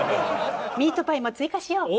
ミートパイも追加しよう。